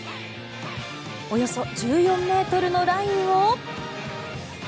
およそ１４ｍのラインを。